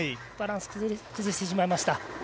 バランス崩してしまいました。